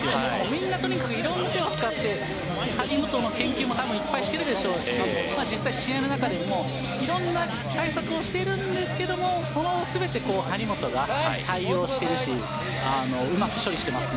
みんな、とにかくいろんな手を使って、張本の研究もしていますでしょうし実際、試合の中でもいろんな対策をしているんですけどそれを全て張本が対応しているしうまく処理しています。